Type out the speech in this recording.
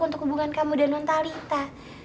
untuk hubungan kamu dan nontalita